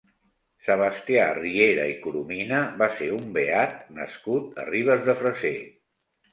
Sebastià Riera i Coromina va ser un beat nascut a Ribes de Freser.